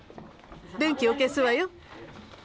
電気を消すわよ。